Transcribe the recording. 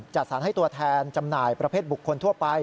จัดสรรให้ตัวแทนจำหน่ายประเภทบุคคลทั่วไป